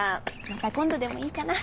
また今度でもいいかな？